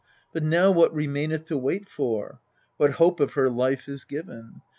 But now what remaineth to wait for? what hope of her life is given